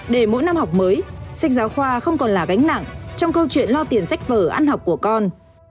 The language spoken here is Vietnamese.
để mỗi năm học mới sách giáo khoa không còn là gánh nặng trong câu chuyện lo tiền sách vở ăn học của con